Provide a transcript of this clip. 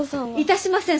致しません